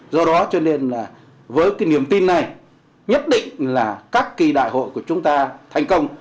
do đó cho nên là với cái niềm tin này nhất định là các kỳ đại hội của chúng ta thành công